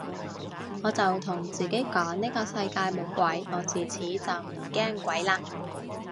我就同自己講呢個世界冇鬼，我自此就唔驚鬼嘞